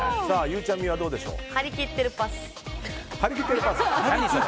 ゆうちゃみはどうでしょう。